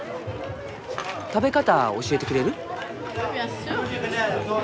食べ方教えてくれる？